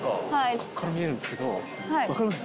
ここから見えるんですけど分かります？